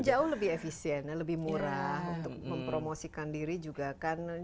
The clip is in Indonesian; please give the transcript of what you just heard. dan jauh lebih efisien lebih murah untuk mempromosikan diri juga kan